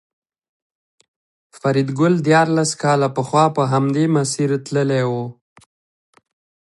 فریدګل دیارلس کاله پخوا په همدې مسیر تللی و